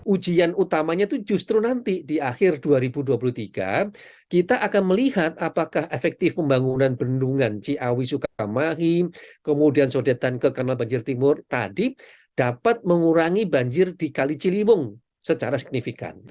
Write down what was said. ujian utamanya itu justru nanti di akhir dua ribu dua puluh tiga kita akan melihat apakah efektif pembangunan bendungan ciawi sukaramahim kemudian sodetan ke kanal banjir timur tadi dapat mengurangi banjir di kali ciliwung secara signifikan